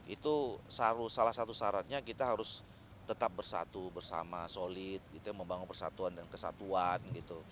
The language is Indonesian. itu salah satu syaratnya kita harus tetap bersatu bersama solid membangun persatuan dan kesatuan gitu